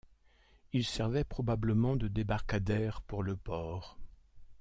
Il servait probablement de débarcadère pour le port.